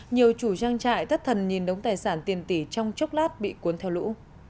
nhiều chủ trang trại thất thần nhìn đống tài sản tiền tỷ trong chốc lát bị cuốn theo lũ